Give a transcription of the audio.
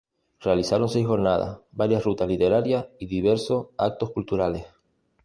Realizaron seis jornadas, varias rutas literarias y diversos actos culturales.